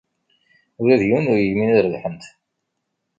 Ula d yiwen ur yegmin ad rebḥent.